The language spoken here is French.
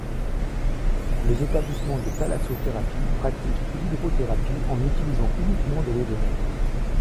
Les établissements de thalassothérapie pratiquent l'hydrothérapie en utilisant uniquement de l'eau de mer.